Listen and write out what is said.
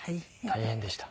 大変でした。